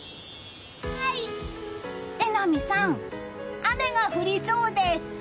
榎並さん、雨が降りそうです。